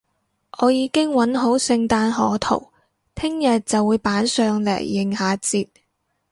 我已經搵好聖誕賀圖，聽日就會擺上嚟應下節